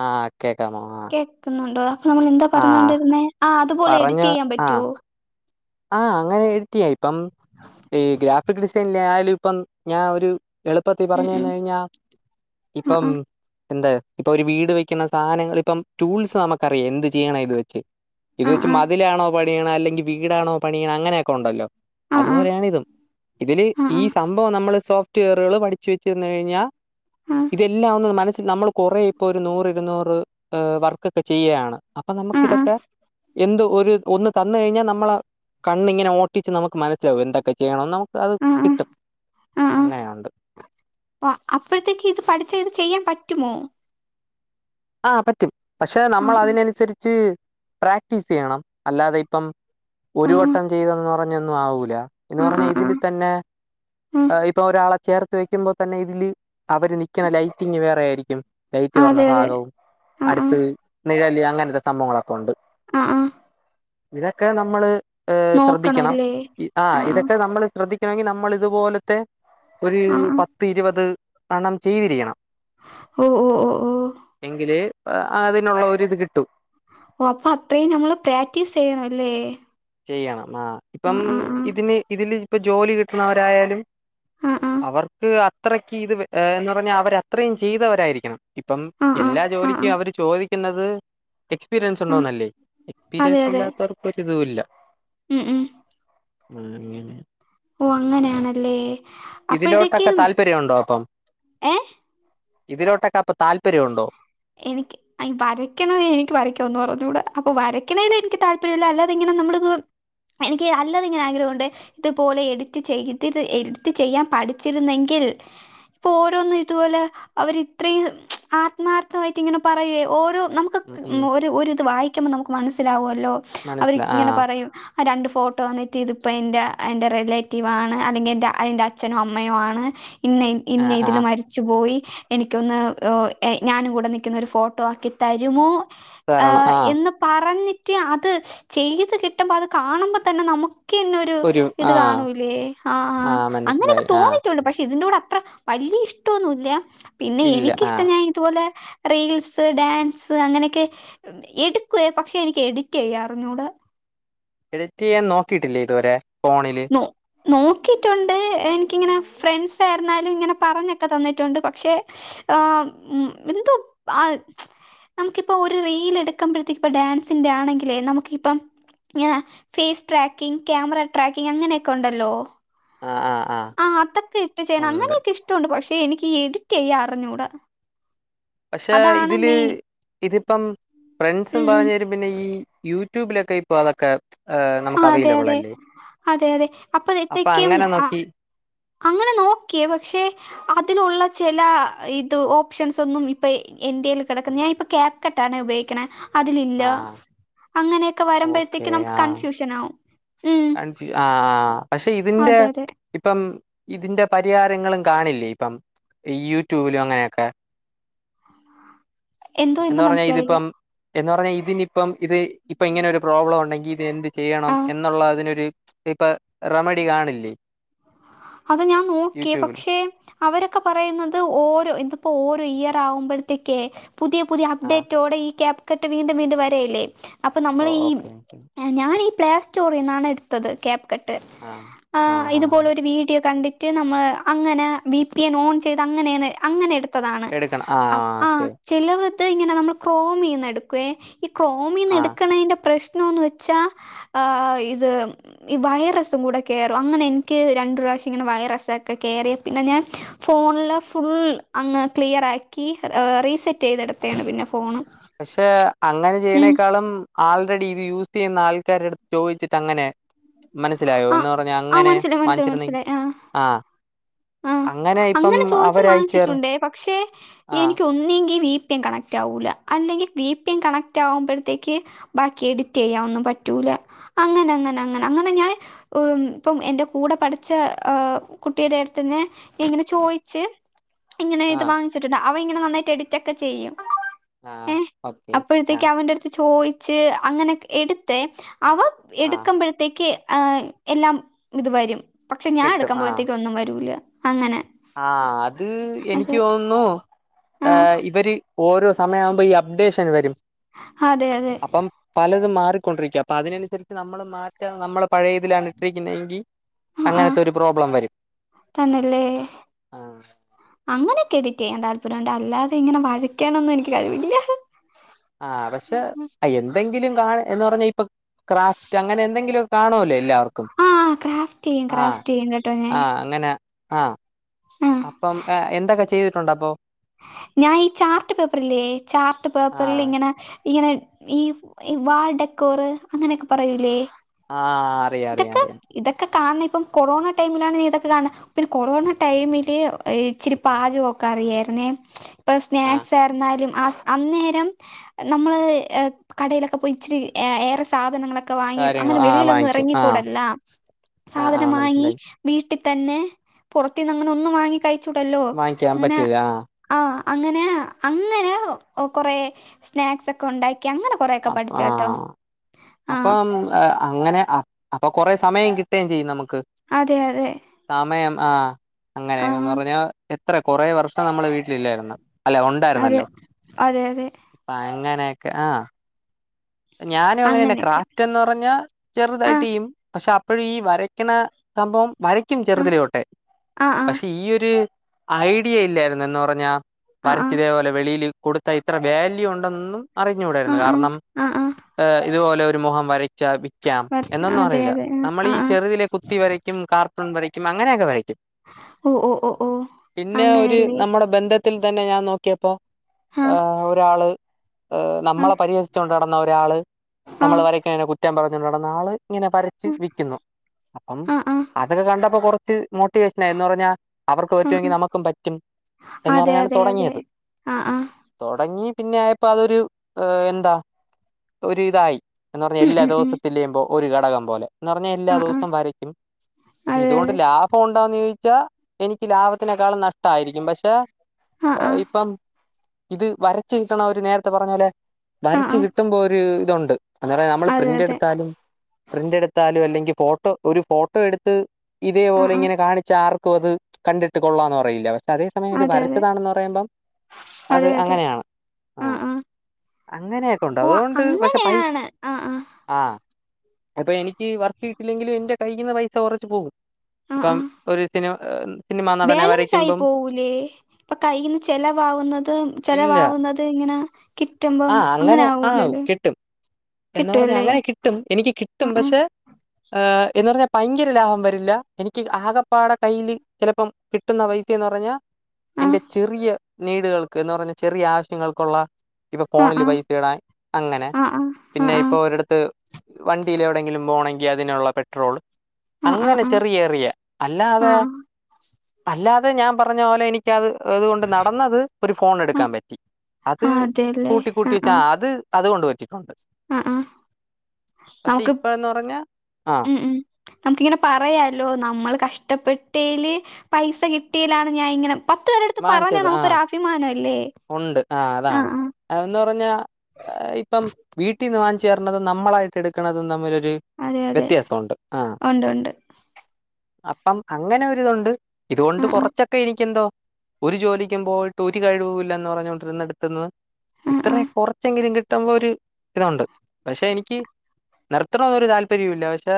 ആഹ് കേക്കാമോ കേക്കുന്നുണ്ടോ അപ്പൊ നമ്മള് എന്താ ആഹ് പറഞ്ഞോണ്ടിരുന്നേ ആ അതുപോലെ പറഞ്ഞ എഡിറ്റ് ചെയ്യാൻ പറ്റൊ ആഹ് ആഹ് അങ്ങനെ എഡിറ്റയ്യപ്പം ഈ ഗ്രാഫിക് ഡിസൈനിലയാലും ഇപ്പം ഞാൻ ഒരു എളുപ്പത്തി ഉം പറഞ്ഞു ഉം തന്ന് കഴിഞ്ഞാ ആ ഇപ്പം ആ എന്താ ഇപ്പൊ ഒരു വീട് വെക്കുന്ന സാധനങ്ങൾ ഇപ്പം ടൂൾസ് നമുക്കറിയാം എന്ത് ചെയ്യണം ഇത് വെച്ച് ഇത് ആ വെച്ച് ആ മതിലാണോ പണിയണം അല്ലെങ്കി വീടാണോ പണിയണ അങ്ങനെയൊക്കെ ഉണ്ടല്ലോ ആ ആ അതുപോലെയാണ് ഇതും ഇതില് ആ ആ ഈ സംഭവം നമ്മള് സോഫ്റ്റ് വെയറുകൾ പഠിച്ചു വെ ച്ചെന്ന് കഴിഞ്ഞാ ആ ആ ആ ഇതെല്ലാം ഒന്ന് മനസ്സിൽ നമ്മള് കൊറേ ഇപ്പൊ ഒരു നൂറ് ഇരുനൂറ് ഏ വർക്കൊക്കെ ചെയ്യാണ് അപ്പം നമ്മക്കിതൊക്കെ എന്തൊ ഒരു ഒന്ന് തന്ന് കഴിഞ്ഞാ നമ്മളാ കണ്ണിങ്ങനെ ഓട്ടിച്ച് നമുക്ക് മനസ്സിലാവും എന്തൊക്കെ ചെയ്യണന്ന് നമുക്ക് അത് ആ ആ കിട്ടും അങ്ങനെയുണ്ട് അഹ് അപ്പഴത്തേക്ക് ഇത് പഠിച്ച് ഇത് ചെയ്യാൻ പറ്റുമോ ആഹ് പറ്റും പക്ഷെ ആ നമ്മള് ആ അതിനനുസരിച്ച് പ്രാക്ടീസയ്യണം അല്ലാതെ ഇപ്പം ആ ഒരു ആ വട്ടം ചെയ്തെന്ന് പറഞ്ഞൊന്നും ആവൂല എന്ന് ആ പറഞ്ഞാ ആ ആ ഇതില് തന്നെ ആ എഹ് ഇപ്പം ഒരാളെ ചേർത്ത് വെക്കുമ്പം തന്നെ ഇതില് അവര് നിക്ക്ണ ലൈറ്റിംഗ് വേറെയിരിക്കും ലൈറ്റ് അതെ കൊറഞ്ഞ അതെ ഭാഗവും ആ ആ അടുത്ത് നിഴല് അങ്ങനത്തെ സംഭവങ്ങളൊക്കെ ഒണ്ട് അഹ് അഹ് ഇതൊക്കെ നമ്മള് സ്രദ്ധിക്കണം നോക്കണല്ലേ ആഹ് ആ ആ ഇതൊക്കെ നമ്മള് സ്രദ്ധി ക്കണെങ്കി നമ്മള് ഇത്പോലത്തെ ഒരു ആ ആ പത്ത് ഇരുപത് എണ്ണം ചെയ്തിരിക്കണം ഓഹ് ഓഹ് ഓ ഹ് ഓഹ് എങ്കില് അതിനുള്ള ഒരു ഇത് കിട്ടും ഓ അപ്പം അത്രീം ഞമ്മള് പ്രാക്ടീസ് ചെയ്യണം അല്ലേ ചെയ്യണം ആഹ് ഇപ്പം ആ ഇതിന് ഇതില് ഇപ്പം ജോലി കിട്ട്ണവരായാലും ആ ആ അവർക്ക് അത്രക്ക് ഇത് ഏഹ് എന്ന് പറഞ്ഞാ അവര് അത്രയും ചെയ്തവരായിരിക്കണം ഇപ്പം ആ എല്ലാ ആ ആ ജോലിക്കും അവര് ചോദിക്കുന്നത് എക്സ് പീരിയൻസ് ആ ഉണ്ടോന്നല്ലേ അതെ എക്സ്പീരിയൻസ് അതെ ഇല്ലാവർക്കൊര് ഇതൂല്ല ഉം ഉം ഉം ഉം ഓഹ് അങ്ങനെയാണല്ലേ ഇതിലോട്ടൊക്കെ അപ്പോഴത്തേക്കും താല്പര്യം ഉണ്ടോ അപ്പം ഏ ഇതിലോട്ടൊക്കെ അപ്പം താല്പര്യം ഉണ്ടോ എനിക്ക് ഈ വരക്കണത് എനിക്ക് വരക്കാൻ ഒന്നും അറിഞ്ഞൂടാ അപ്പം വരക്കണേല് എനിക്ക് താല്പര്യല്ല അല്ലാതിങ്ങനെ നമ്മളിപ്പം എനിക്ക് അല്ലാതെ ഇങ്ങനെ ആഗ്രഹവുണ്ട് ഇതുപോലെ എഡിറ്റ് ചെയ്തത് ചെയ്തിട്ട് എഡിറ്റ് ചെയ്യാൻ പഠിച്ചിരുന്നെങ്കിൽ - ഇപ്പം ഓരോന്നും ഇതുപോലെ അവര് ഇത്രയും ആത്മാർ- വെക്ത്തമായിട്ട് ഇങ്ങനെ പറയുവേ ഓരോ നമുക്ക് ഉം ഉം ഒരു ഒരു ഇത് വായിക്കുമ്പം നമുക്ക് മനസ്സിലാവുവല്ലോ അവര് മനസ്സില ആ ഇങ്ങനെ പറയും ആ രണ്ട് ഫോട്ടോ വന്നിട്ട് ഇതിപ്പ എൻ്റെ എൻ്റെ റിലേറ്റീവ് ആണ് അല്ലെങ്കിൽ എൻ്റെ അത് എന്റെ അച്ഛനും അമ്മയും ആണ് ഇന്ന ആ ഇന്ന ആ ഇതില് മരിച്ചു പോയി എനിക്കൊന്ന് ഞാനും കൂടെ - കൂടെ നിക്കുന്ന ഒരു ഫോട്ടോ ആക്കി തരുമോ കാരണം ആഹ് ആ എന്ന് - പറഞ്ഞിട്ട് അത് ചെയ്ത് കിട്ടുമ്പം അത് കാണുമ്പത്തന്നെ നമു- എനിക്ക് തന്നെ ഒരു ഇത് കാണൂലേ ആഹ് ആ ആഹ് അങ്ങനെയൊക്കെ മനസ്സിലായി ആ തോന്നിട്ടുണ്ട് പക്ഷെ ഇതിന്റെ കൂടെ അത്ര - വല്ലിയ ഇഷ്ടൊന്നുവില്ല പിന്നെ ഇല്ല ആ എനിക്കിഷ്ടം ഞാൻ ഇതുപോലെ - റീൽസ് ഡാൻസ് അങ്ങനെക്കെ എടുക്കുവേ പക്ഷെ എനിക്ക് എഡിറ്റ് ചെയ്യാൻ അറിഞ്ഞൂടാ എഡിറ്റ് ചെയ്യാൻ നോക്കിയിട്ടില്ലേ ഇതുവരെ ഫോണില് നോ- നോക്കിയിട്ടുണ്ട് എനിക്കിങ്ങനെ ഫ്രണ്സായിരുന്നാലും ഇങ്ങനെ പറഞ്ഞൊക്കെ തന്നിട്ടുണ്ട് പക്ഷേ- ആഹ് എന്തോ അത് - നമുക്കിപ്പം ഒരു റീൽ എടുക്കുമ്പഴത്തേക്ക് ഇപ്പം ഡാൻസിന്റെ ആണെങ്കിലേ നമുക്കിപ്പം- ഇങ്ങനെ ഫേസ് ട്രാക്കിങ് ക്യാമറ ട്രാക്കിങ് അങ്ങനെയൊക്കെ ഉണ്ടല്ലോ ആഹ് ആഹ് ആഹ് ആഹ് അതൊക്കെ ഇട്ട് ചെയ്യണം അങ്ങനെയൊക്കെ ഇഷ്ട്ടവുണ്ട് പക്ഷെ എനിക്ക് ഈ എഡിറ്റ് ചെയ്യാൻ അറിഞ്ഞൂടാ പക്ഷെ അതാണ് ഇതില് മെയിൻ ഇതിപ്പം ഫ്രണ്ട്സും ഉം ഉം പറഞ് തരും പിന്നെ ഈ യൂട്യൂബിലൊക്കെ ഇപ്പൊ അതൊക്കെ- ആഹ് ആ നമുക്ക് അതെ അവൈലബിൾ അതെ അല്ലേ അതെ അതെ അപ്പം അപ്പഴത്തേക്കും അങ്ങനെ അ നോക്കി - അങ്ങനെ നോക്കിയേ പക്ഷെ അതിലുള്ള ചെല ഇത് ഓപ്ഷൻസ് ഒന്നും ഇപ്പൊ എന്റെതിൽ കെടക്കുന്ന ഞാൻ ഇപ്പൊ കാ - കെട്ടാനാ ഉപയോഗിക്കണേ അതിലില്ല ആ അങ്ങനെയൊക്കെ ഓക്കെ വരുമ്പോഴത്തേക്ക്‌ നമുക്ക് ആ കൺഫ്യൂഷൻ ആകും കൺഫ്യൂ ആഹ് ആഹ് പക്ഷെ ഇതിന്റെ അതെ അതെ ഇപ്പം ഇതിന്റെ പരിഹാരങ്ങളും കാണില്ലേ ഇപ്പം ഈ യൂട്യൂബിലും അങ്ങനെയൊക്കെ എന്തോ എന്ന് എന്തോ പറഞ്ഞാ മനസ്സിലായില്ല ഇതിപ്പം എന്ന് പറഞ്ഞാ ഇത്ഞ്ഞിപ്പം ഇത് ഇപ്പൊ ഇങ്ങനെ ഒരു പ്രോബ്ലം ഉണ്ടെങ്കിൽ ഇത് എന്ത് ചെയ്യണം ആ എന്നുള്ള അതിനൊരു ഇപ്പൊ റെമഡി കാണില്ലേ അത് ഞാൻ നോക്കി യൂട്യൂബില് പക്ഷേ അവരൊക്കെ പറയുന്നത് ഓരോ ഇതിപ്പോ ഓരോ ഇയർ ആകുമ്പോഴത്തേക്കേ പുതിയ പുതിയ ആ അപ്ഡേറ്റോടെ ഈ ക്യാപ് കട്ട് വീണ്ടും വീണ്ടും വരയല്ലേ അപ്പൊ ഓ നമ്മള് ഈ ഓക്കെ ഞാൻ ഈ പ്ലേസ്റ്റോറിന്നാണ് എടുത്തത് ക്യാപ്പ് കട്ട് ആഹ് ആ ആഹ് ആഹ് ഇതുപോലൊരു വീഡി യൊ കണ്ടിട്ട് നമ്മള് അങ്ങനെ വി പി എൻ ഓൺ ചെയ്ത് അങ്ങനെയാണ് അങ്ങനെയാണ് എടുത്തതാണ് എടുക്കണം ആഹ് ഓക്കെ ചെലവത്ത് ഇങ്ങനെ നമ്മള് ക്രോമീന്നെടുക്കുവേ ഈ ആഹ് ക്രോമീന്നെടുക്കുന്നതിന്റെ പ്രശ് നോന്ന് വെച്ചാ ആഹ് ഇത് ഈ വൈറസും കൂടെ കേറും അങ്ങനെ എനിക്ക് രണ്ടു പ്രാവശ്യം ഇങ്ങനെ വൈറസൊക്കെ കേറിയാ പിന്നെ ഞാൻ ഫോണില് ഫുൾ അങ്ങ് ക്ലിയർ ആക്കി റീസെറ്റ് ചെയ്ത് എടുത്തെയാണ് പിന്നെ ഫോണ് പക്ഷെ അങ്ങനെ ഉം ചെയ്യണേക്കാളും ആൾ റെഡി ഇത് യൂസ് ചെയ്യുന്ന ആൾക്കാരടുത്ത് ചോദിച്ചിട്ട് അങ്ങനെ മനസ്സിലായോ എന്ന് ആഹ് പറഞ്ഞ ആഹ് അങ്ങനെ മനസ്സിലായി മനസ്സിലായി വാങ്ങിച്ചിരുന്നെ മനസ്സിലായി ആഹ് ആഹ് ഇപ്പം അങ്ങനെ ചോദിച്ചു അവരയച്ചേർ വാങ്ങിച്ചിട്ടുണ്ടേ പക്ഷെ ആഹ് എനിക്ക് ഒന്നെങ്കി വീ പം കണക്റ്റാവൂല്ല അല്ലെങ്കിൽ വീപ്പി കണക്റ്റ് ആവുമ്പഴത്തേക്ക് ബാക്കി എഡിറ്റെയ്യാനൊന്നും പറ്റൂല അങ്ങനങ്ങനങ്ങനെ അങ്ങനെ ഞാൻ ഉം പ്പം എന്റെ കൂടെ പഠിച്ച ആ കുട്ടിയുടെ അടുത്ത്ന്ന് ഇങ്ങനെ ചോയിച്ച് ഇങ്ങനെ ഇത് ആഹ് വാങ്ങിച്ചിട്ടുണ്ട് അവൻ ഇങ്ങനെ നന്നായിട്ട് എഡിറ്റൊക്കെ ചെയ്യും ആഹ് ഏഹ് ഓക്കെ അപ്പഴത്തേക്ക് ആഹ് അവന്റെ അടുത്ത് ചോയിച്ച് അങ്ങനെ എടുത്തേ അവ ആഹ് എടുക്കുമ്പഴത്തേക്ക് ആഹ് എല്ലാം ഇത് വരും പക്ഷെ ഞാൻ കിട്ടും ആഹ് എടുക്കുമ്പഴത്തേക്കും ഒന്നും വരൂല അങ്ങനെ ആഹ് അത് എനിക്ക് അതെ തോന്നുന്നു ആഹ് ഏഹ് ഇവര് ഓരോ സമയാവുമ്പോ ഈ അപ്ഡേഷൻ വരും അതെ അതെ അപ്പം പലതും മാറിക്കൊണ്ടിരിക്കും അപ്പൊ അതിനനുസരിച്ച് നമ്മളും മാറ്റാ നമ്മള് പഴയതിലാണിട്ടിരിക്കുന്നെങ്കി ആഹ് ആഹ് അങ്ങനത്തെ ഒരു പ്രോബ്ലം വരും തന്നല്ലേ ആഹ് അങ്ങനെയൊക്കെ എഡിറ്റെയ്യാൻ താല്പര്യണ്ട് അല്ലാതെ ഇങ്ങനെ വരക്കാനൊന്നും എനിക്ക് കഴിവില്ല ആഹ് പക്ഷെ എന്തെങ്കിലും കാ എന്ന് പറഞ്ഞാ ഇപ്പൊ ക്രാഫ്റ്റ് അങ്ങനെ എന്തെങ്കിലൊക്കെ കാണൂല്ലേ എല്ലാം ആർക്കും ആഹ് ക്രാഫ്റ്റ് ചെയ്യും ആഹ് ക്രാഫ്റ്റ് ചെയ്യും കേട്ടോ ഞാൻ ആഹ് അങ്ങനെ ആഹ് ആഹ് അപ്പം ഏഹ് എന്തൊക്കെ ചെയ്തിട്ടുണ്ടപ്പൊ ഞാൻ ഈ ചാർട്ട് പേപ്പറില്ലേ ചാർട്ട് പേപ്പറിൽ ആഹ് ഇങ്ങനെ ഇങ്ങനെ ഈ ഈ വാൾഡക്കോറ് അങ്ങനെയൊക്കെ പറയൂലേ ആഹ് അറിയാം അറിയാം ഇതൊക്കെ അറിയാം ഇതൊക്കെ കാണണം ഇപ്പം കൊറോണ ടൈമിലാണ് ഇതൊക്കെ കാണ പിന്നെ കൊറോണ ടൈമില് ഇച്ചിരി പാചകൊക്കെ അറിയായിരുന്നേ ഇപ്പൊ ആഹ് സ്നാക്സ് എന്നാലും ആഹ് അന്നേരം നമ്മള് ഏഹ് കടയിലൊക്കെ പോയി ഇച്ചിരി ഏറെ സാധനങ്ങളൊ ക്കെ വാങ്ങി കാര്യങ്ങൾ അങ്ങനെ ആഹ് വെളിയിലൊന്നും വാങ്ങിക്കും ആഹ് എറങ്ങിക്കൂടല്ലോ ആഹ് സാധനം ആഹ് വാങ്ങി മനസ്സിലായി വീട്ടിതന്നെ പുറത്തിന്ന് അങ്ങനെ ഒന്നും വാങ്ങി കഴിച്ചൂടല്ലോ വാങ്ങിക്കാൻ അങ്ങനെ പറ്റൂല ആഹ് അങ്ങനെ അങ്ങനെ കൊറെ സ്നാക്സ് ഒക്കെ ഉണ്ടാക്കി അങ്ങനെ കൊറെയൊക്കെ അപ്പം പഠിച്ചു കേട്ടോ ആഹ് ആ അപ്പം [unintelligible] ഏഹ് അങ്ങനെ അപ്പൊ കൊറെ സമയം കിട്ടെയും ചെയ്യും നമുക്ക് അതെ അതെ സമയം ആഹ് ആ അങ്ങനെന്ന് പറഞ്ഞാ എത്ര കൊറേ വർഷം നമ്മളെ വീട്ടിലില്ലായിരുന്നോ അല്ല അതെ ഉണ്ടായിരുന്നല്ലോ അതെ അതെ അപ്പൊ അങ്ങനെയൊക്ക ആഹ് ഞാനും അങ്ങനെന്നെ അങ്ങനെയൊക്കെ ക്രാഫ്റ്റ് എന്ന് പറഞ്ഞാ ആ ചെറുതായിട്ട് ചെയ്യും പക്ഷെ അപ്പഴും ഈ വരയ്ക്കണ സംഭവം വര ക്കും ആ ചെറുതിലൊട്ടെ ആ ആ പക്ഷെ ഈ ഒരു ഐഡിയ ഇല്ലായിരുന്നു എന്ന് പറഞ്ഞാ ആ ആ വരച്ച് ഇതേപോലെ വെളിൽ കൊടുത്താ ഇത്ര വാല്യൂ ഉണ്ടെന്നും ആ അറിഞ്ഞുടായിരുന്നു ആ കാരണം ആ ആ ഇതുപോലെ ഒരു മുഖം വരച്ച വിൽക്കാം വരച്ച എന്നൊന്നും അതെ അറിയില്ല അതെ ആ നമ്മൾ ആ ഈ ആ. ചെറുതിലെ കുത്തി വര ക്കും കാർട്ടൂൺ വരക്കും അങ്ങനെയൊക്കെ വരക്കും ഓ ഓ ഓ ഓ പിന്നെ ഒരു അങ്ങനെയല്ലേ നമ്മടെ ബന്ധത്തിൽ തന്നെ ഞാൻ നോക്കിയപ്പോ ആ ഏഹ് ഒരാള് ഏഹ് ആ നമ്മളെ പരിഹസിച്ചോണ്ട് നടന്ന ഒരാള് ആ ആ നമ്മൾ വരക്കെ കുറ്റം പറഞ്ഞോണ്ട് നടന്ന ആള് ഇങ്ങനെ പരച്ച് വിക്കിന്നു അപ്പം ആ ആ ആ അതൊക്കെ കണ്ടപ്പോ കൊറ മോട്ടിവേഷന എന്ന് പർഞ്ഞാ അവർക്ക് പറ്റുമെങ്കി ആ. നമുക്കും പറ്റും എന്ന് അതെ പർഞ്ഞാണൽ അതെ അതെ തൊടങ്ങിയത് ആ ആ തൊടങ്ങി പിന്നെ ആയപ്പൊ അതൊരു എന്താ ഒരു ഇതായി എന്ന് പർഞ്ഞാ ഉം എല്ലാ ഉം ദിവസ ഉം ത്തിലിമ്പൊ ഒര് ഘടകം പോലെ നറഞ്ഞാ എല്ലാ ആ ആ ദിവസവും വരയ്ക്കും പക്ഷെ അതെ ഇതുകൊണ്ട് അതെ ലാഭം ഉണ്ടാന്ന് ചോയ്ച്ചാ എനിക്ക് ലാഭത്തിനേക്കാളും നഷ്ടായിരിക്കും പക്ഷെ ആ ആ ഇപ്പം ഇത് വരച്ച് കിട്ടണം അവര് നേരത്തെ പറഞ്ഞ പോലെ ആ വരച്ച് ആ കിട്ടുമ്പോ ഒര് ഇതുണ്ട് അങ്ങനെ നമ്മള് അതെ പ്രിന്റ് അതെ എടുത്താലും പ്രിന്റ് എടുത്താലും അല്ലെങ്കി ഫോട്ടോ ഒരു ഫോട്ടോ എടുത്ത് ആ ഇതേപോലെ ആ ഇങ്ങനെ കാണിച്ചാ ആർക്കും അത് കണ്ടിട്ട് കൊള്ളാന്ന് പറയില്ല അതേ സമയം ഇത് അതെ അതെ വരച്ചതാണെന്ന് പറയുമ്പം അത് അതെ അതെ അങ്ങനെയാണ് ആഹ് അങ്ങനെ ഓഹ് അങ്ങനെയാണ് ആഹ് ആഹ് ആഹ് അപ്പൊ എനിക്ക് വർക്ക് കിട്ടില്ലെങ്കിലും എന്റെ കയ്യിന്ന് പൈസ കൊറച്ച് പോവും ആ ഇപ്പം ആ ഒര് സിനി സിനിമ നടനെ വരക്കുമ്പം പുലി ഇപ്പൊ കയ്യിന്ന് ചെലവാവുന്നത് ചെലവാവുന്നത് ഇങ്ങനെ കി ആഹ് അങ്ങനെ ആഹ് കിട്ടും എന്ന് പർഞ്ഞാ കിട്ടുവല്ലേ അങ്ങനെ കിട്ടും എനിക്ക് ആ കിട്ടും ആ പക്ഷെ ഏഹ് എന്ന് പറഞ്ഞാ ഭയങ്കര ലാഭം വരില്ല എനിക്ക് ആകപ്പാടെ കയ്യില് ചെലപ്പം കിട്ടുന്ന പൈസ എന്ന് പറഞ്ഞ ആ എന്റെ ചെറിയ നീടുകൾക്ക് എന്ന് പർഞ്ഞ ചെറിയ ആവശ്യങ്ങൾക്കുള്ള ഇപ്പോ ആ ഫോണ്ല് ആ പൈസ ഇടാൻ അങ്ങനെ ആ ആ ആ പിന്നെ ഇപ്പൊ ആ ഒരിടത്ത് വണ്ടീല് എവിടെയെങ്കിലും പോണെങ്കി അതിന്ള്ള പെട്രോള് ആ അങ്ങനെ ചെറിയ റിയെ ആ ആ ആ അല്ലാതെ അല്ലാതെ ഞാൻ പറഞ്ഞ പോലെ എനി ക്ക് അത് അത് കൊണ്ട് നടന്നത് ഒരു ഫോണ് എട്ക്കാൻ പറ്റി അത് ആ അതെല്ലേ കൂട്ടി ആ കൂട്ടി ആ വെച്ചാ അത് അത്കൊണ്ട് പറ്റിട്ട്ണ്ട് ആ ആ പക്ഷെ നമുക്ക് ഇപ്പന്ന് പറഞ്ഞ ആഹ് ഉം ഉം നമുക്കിങ്ങനെ പറയാലോ നമ്മള് കഷ്ടപ്പെട്ടേല് പൈസ കിട്ടീലാണ് ഞാൻ ഇങ്ങനെ പത്ത് പേരെടുത്ത് പറഞ്ഞാ വാങ്ങിച്ചത് ആ നമുക്ക് ഒര് അഭിമാന അല്ലേ ആഹ് ആഹ് അത്ന്ന് പറഞ്ഞാ ഇപ്പം വീട്ടീന്ന് വാങ്ങിച്ചേര്ണതും നമ്മളായിട്ട് എട്ക്കണതും തമ്മിലൊരു അതെ അതെ വ്യത്യാസോണ്ട് ആഹ് ഉണ്ട് ഉണ്ട് അപ്പം അങ്ങനൊര്തൊണ്ട് ഇതോണ്ട് ആ ആ കൊറച്ചക്ക എനിക്കെന്തോ ഒര് ജോലിക്കും പോയ്ട്ട് ഒര് കഴിവൂല്ലന്ന് പറഞ്ഞോണ്ടിര്ന്നട്ത്ത്ന്ന് ആ ആ ഇത്രെ കൊറച്ചെങ്കിലും കിട്ടുമ്പോര് ഇതൊണ്ട് പക്ഷെ എനിക്ക് നിർത്തണോ ഒര് താൽപ്പര്യുല്ല പക്ഷെ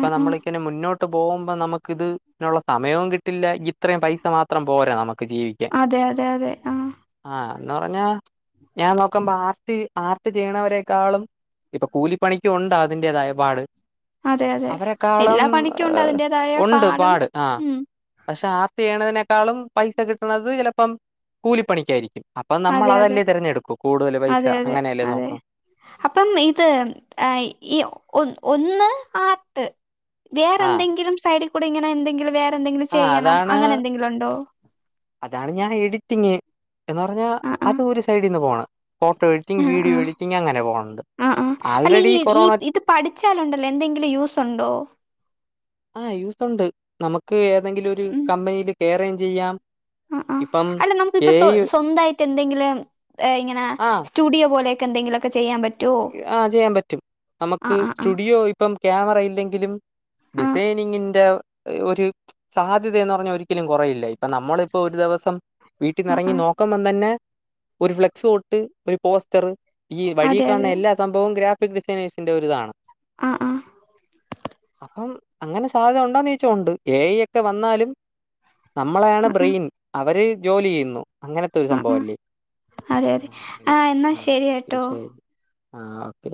ആ ആ നമ്മളിക്കന്നെ മുന്നോട്ട് പോവ്മ്പ നമക്കിത് നൊള്ള സമയോം കിട്ടില്ല ഇത്രേം പൈസ മാ ത്രം പോര നമക്ക് ജീവി അതെ അതെ അതെ ആഹ് ആഹ് എന്ന് പറഞ്ഞ ഞാൻ നോക്കുമ്പ ആർ ട്ട് ആർട്ട് ചെയ്യണവരെക്കാളും ഇപ്പ കൂലിപ്പണിക്കു ഒണ്ട് അതിന്റെതായ പാട് അതെ അതെ അവരെക്കാളും എല്ലാ പണിക്കും ഉണ്ട് അതിന്റേതായ ഒണ്ട് പാടും പാട് ആഹ് ഉം പക്ഷേ ആർട്ട് ചെയ്യണത്നേക്കാളും പൈസ കിട്ട്ണത് ചെലപ്പം കൂലിപ്പണിക്കാരിക്കും അപ്പ അതെ അതെ നമ്മളതല്ലേ തെരഞ്ഞെട്ക്കൂ കൂട്തല് പൈസ അതെ അതെ അങ്ങനല്ലേ അതെ നോക്കു അപ്പം ഇത് അ ഈ ഒ ഒന്ന് ആർട്ട് ആഹ് വേറന്തെങ്കിലും സൈഡി കൂടെ ഇങ്ങന എന്തെങ്കിലും വേറന്തെങ്കിലും ആഹ് ചെയ്യണം അതാണ് അങ്ങനന്തെങ്കിലും ഒണ്ടോ അതാണ് ഞാ എഡിറ്റിംഗ് എന്ന് പറഞ്ഞാ ആ ആ അത് ഒര് സൈഡിന്ന് പോണ് ഫോട്ടോ ആ എഡ്റ്റിംഗ് ആ വീഡിയോ എഡ്റ്റിംഗ് അങ്ങന പോൺണ്ട് ആൾറെഡി കൊറോണ പഠ്ച്ചാലൊണ്ടല്ലോ എന്തെങ്കിലും യൂസൊണ്ടോ ആഹ് യൂസൊണ്ട് നമക്ക് ഏതെങ്കിലൊര് ഉം, കമ്പനീല് കെറെം ചെയ്യാം ആ ആഹ് ഇപ്പം അല്ല നമുക്കിപ്പ എ സൊ ഐ സ്വന്തായ് ട്ടെന്തങ്കിലും എ ഇങ്ങന സ്റ്റുഡിയോ പോലെക്ക എന്തങ്കിലൊക്ക ചെയ്യാം പ ആ ചെയ്യാം പറ്റും നമക്ക് ആ ആ സ്റ്റുഡിയോ ഇപ്പം ക്യാമറ ഇല്ലങ്കിലും ആ ഡിസെനിംന്റെ ഒര് സാധ്യതെന്ന് പറഞ്ഞ ഒരിക്കലും കൊറയില്ലയ് ഇപ്പ നമ്മളിപ്പ ഒര് ദെവസം ആ വീട്ടിനെറങ്ങി ആ നോ ക്കുമ്പതന്ന ഒര് ഫ്ലെക്സ് തൊട്ട് ഒര് പോസ്റ്റർ ഈയ് അതെ അതെ എല്ലാ സംഭവും ഗ്രാഫിക് ഡിസെനേഴ്സ്ന്റ ഒര്താണ് ആഹ ആഹ് അപ്പം അങ്ങന സാധ്യത ഒണ്ടോന്ന് ചോയ്ച്ച ഒണ്ട് ഏഐ ക്ക വന്നാലും നമ്മളാണ് ഉം ഉം ബ്രെയ്ൻ അവര് ജോലിയ്യ്ന്നു അങ്ങനത്തൊര് ഉം ഉം സംഭവല്ലേ അതെ അതെ ആ എന്നാ ശരി കേട്ടോ ആഹ് ഓക്കെ